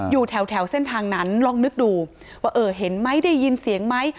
อยู่แถวเส้นทางนั้นลองนึกดูว่าเห็นมั้ยได้ยินเสียงมั้ย